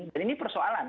dan ini persoalan